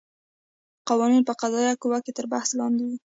قوانین په قضایه قوه کې تر بحث لاندې وو.